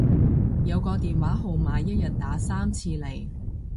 有個電話號碼一日打三次嚟